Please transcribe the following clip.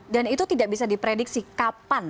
dan itu tidak bisa diprediksi kapan